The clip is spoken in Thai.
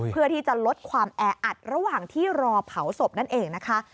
เพื่อที่จะลดความแออัดระหว่างที่รอเผาศพนั่นเองนะคะ